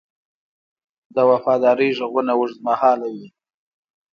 د وفادارۍ ږغونه اوږدمهاله وي.